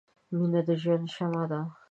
• مینه د ژوند شمعه ده.